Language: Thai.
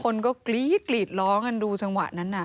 คนก็กรี๊ดกรีดร้องกันดูจังหวะนั้นน่ะ